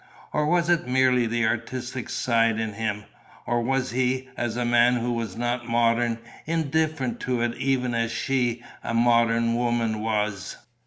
Or was it merely the artistic side in him? Or was he, as a man who was not modern, indifferent to it even as she, a modern woman, was?